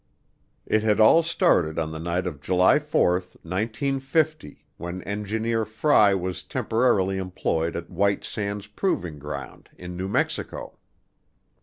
It had all started on the night of July 4, 1950, when engineer Fry was temporarily employed at White Sands Proving Ground in New Mexico.